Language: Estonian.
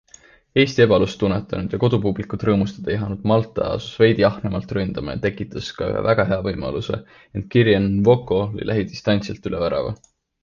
Eesti ebalust tunnetanud ja kodupublikut rõõmustada ihanud Malta asus veidi ahnemalt ründama ja tekitas ka ühe väga hea võimaluse, ent Kyrian Nwoko lõi lähidistantsilt üle värava.